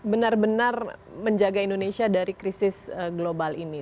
benar benar menjaga indonesia dari krisis global ini